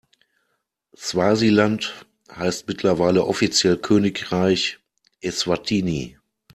Swasiland heißt mittlerweile offiziell Königreich Eswatini.